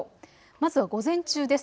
まずは午前中です。